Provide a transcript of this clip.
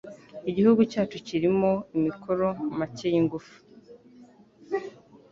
Igihugu cyacu kirimo amikoro make yingufu.